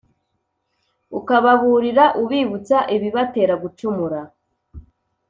ukababurira, ubibutsa ibibatera gucumura,